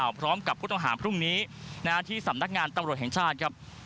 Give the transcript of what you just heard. กลับมาพร้อมกับกุฏฐานหาพรุ่งนี้ที่สำนักงานตำรวจแห่งชาติครับ